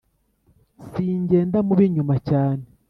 Singenda mu b’inyuma cyane.